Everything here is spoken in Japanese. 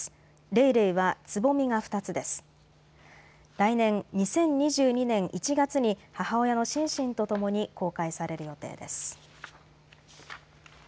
来年２０２２年１月に母親のシンシンとともに公開される予定です。